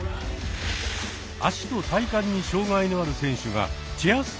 足と体幹に障がいのある選手がチェア